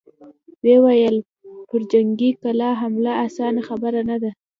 ويې ويل: پر جنګي کلا حمله اسانه خبره نه ده!